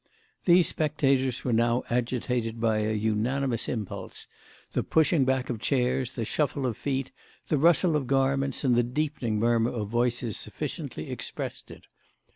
These spectators were now agitated by a unanimous impulse: the pushing back of chairs, the shuffle of feet, the rustle of garments and the deepening murmur of voices sufficiently expressed it.